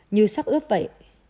như sắc ướp vậy